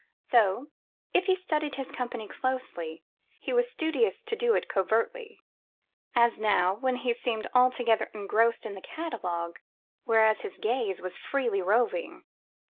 So, if he studied his company closely, he was studious to do it covertly; as now, when he seemed altogether engrossed in the catalogue, whereas his gaze was freely roving.